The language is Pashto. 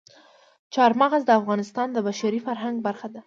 چار مغز د افغانستان د بشري فرهنګ برخه ده.